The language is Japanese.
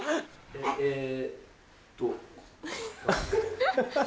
えっと。